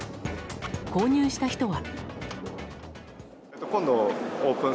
購入した人は。